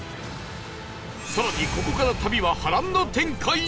更にここから旅は波乱の展開に！